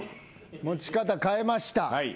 持ち方変えました。